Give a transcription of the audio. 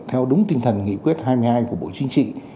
theo đúng tinh thần nghị quyết hai mươi hai của bộ chính trị